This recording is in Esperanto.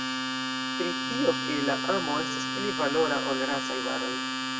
Pri tio, ke la amo estas pli valora, ol rasaj baroj.